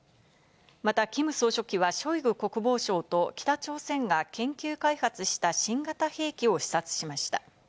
またキム総書記はショイグ国防相と北朝鮮が研究開発した新型兵器を視察しました。